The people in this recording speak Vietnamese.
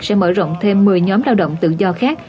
sẽ mở rộng thêm một mươi nhóm lao động tự do khác